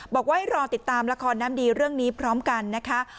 บอกว่าให้รอติดตามละครน้ำดีเรื่องนี้พร้อมกันนะคะ